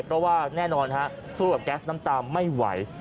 เพราะว่าแน่นอนฮะสู้กับแก๊สน้ำตาไม่ไหว